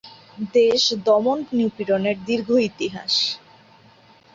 দেশ দমন নিপীড়নের দীর্ঘ ইতিহাস।